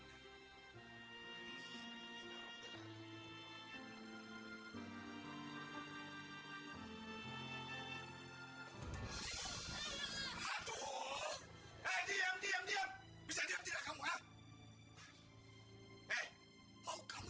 dan beri hakikah kepadamu